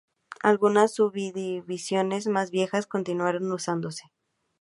Algunas subdivisiones más viejas continuaron usándose.